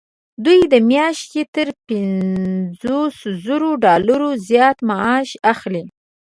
دوی د میاشتې تر پنځوس زرو ډالرو زیات معاش اخلي.